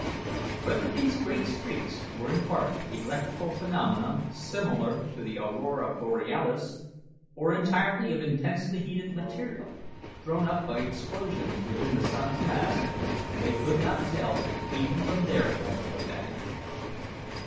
Whether these great streaks were in part electrical phenomena similar to the aurora borealis, or entirely of intensely heated material thrown up by explosions within the sun's mass, they could not tell even from their point of vantage.